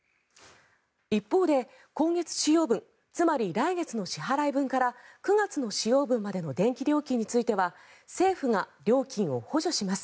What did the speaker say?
一方で今月使用分つまり、来月の支払い分から９月の使用分までの電気料金については政府が料金を補助します。